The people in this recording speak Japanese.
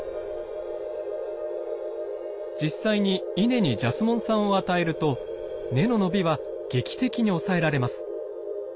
実際にイネにジャスモン酸を与えると根の伸びは劇的に抑えられます。